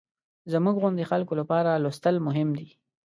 زموږ غوندې خلکو لپاره لوستل مهم دي.